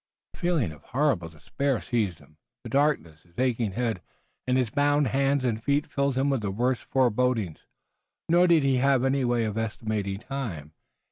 A feeling of horrible despair seized him. The darkness, his aching head, and his bound hands and feet filled him with the worst forebodings. Nor did he have any way of estimating time.